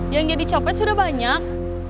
yang jadi copet sudah banyak